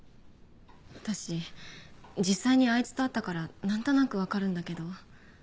私実際にあいつと会ったから何となく分かるんだけど